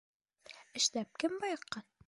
Эшләп кем байыҡҡан?